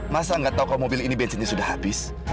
masa gak tau kalau mobil ini bensinnya sudah habis